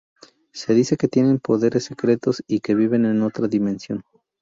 Se dice que tienen poderes secretos y que viven en otra dimensión.